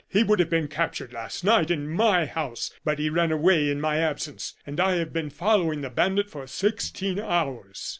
He would have been captured last night in my house, but he ran away in my absence; and I have been following the bandit for sixteen hours."